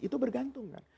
itu bergantung kan